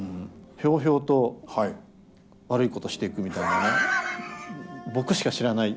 ひょうひょうと悪いことしていくみたいなね。